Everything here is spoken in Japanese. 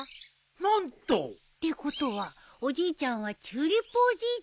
何と！ってことはおじいちゃんはチューリップおじいちゃんってことだね。